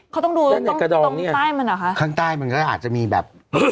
เขาต้องดูตรงใต้มันเหรอคะข้างใต้มันก็อาจจะมีแบบ